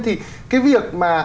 thì cái việc mà